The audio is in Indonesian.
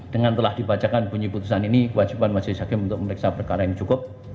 dengan telah dibacakan bunyi putusan ini kewajiban majelis hakim untuk memeriksa perkara yang cukup